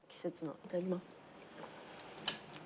いただきます。